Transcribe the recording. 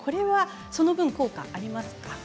その分の効果がありますか。